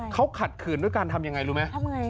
เขาขัดขืนด้วยการทำยังไงรู้ไหมทำไง